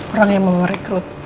orang yang mau merekrut